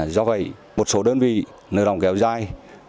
do vậy một số đơn vị nợ động kéo dài